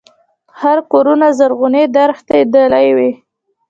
خړ کورونه زرغونې درختي دلې وې